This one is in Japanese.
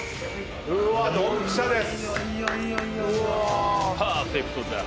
うわドンピシャです。